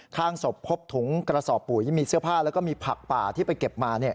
ข้างศพพบถุงกระสอบปุ๋ยมีเสื้อผ้าแล้วก็มีผักป่าที่ไปเก็บมา